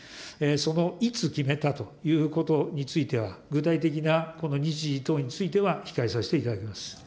その、いつ決めたということについては、具体的な日時等については、控えさせていただきます。